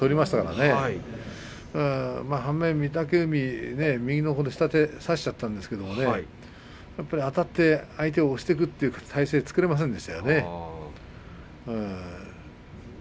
その反面、御嶽海は下手を差したんですがあたって相手を押していくというそういう体勢を作れませんでしたね。